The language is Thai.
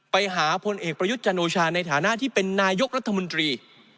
ไปหาพลเอกประยุทธ์จันโอชาในฐานะที่เป็นนายกรัฐมนตรี